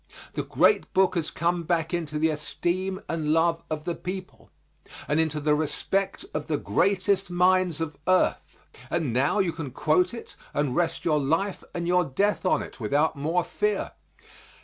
The Great Book has come back into the esteem and love of the people, and into the respect of the greatest minds of earth, and now you can quote it and rest your life and your death on it without more fear.